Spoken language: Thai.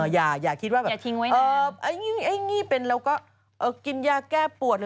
อย่าคิดว่าอย่างนี้เป็นแล้วก็กินยาแก้ปวด